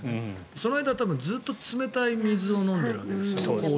その間、ずっと冷たい水を飲んでいるわけですよ。